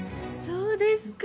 そうですか。